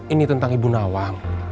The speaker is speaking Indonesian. ini tentang ibu nawang